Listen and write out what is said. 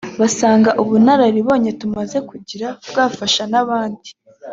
basanga ubunararibonye tumaze kugira bwafasha n’abandi